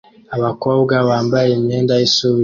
Abakobwa bambaye imyenda y'ishuri